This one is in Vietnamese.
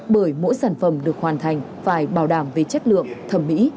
bởi mỗi sản phẩm được hoàn thành phải bảo đảm về chất lượng thẩm mỹ